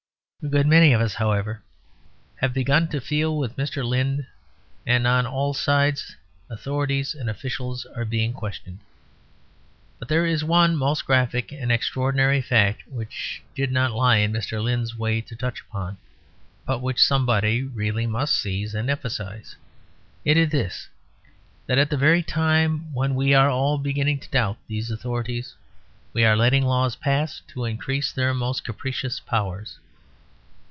A good many of us, however, have begun to feel with Mr. Lynd, and on all sides authorities and officials are being questioned. But there is one most graphic and extraordinary fact, which it did not lie in Mr. Lynd's way to touch upon, but which somebody really must seize and emphasise. It is this: that at the very time when we are all beginning to doubt these authorities, we are letting laws pass to increase their most capricious powers.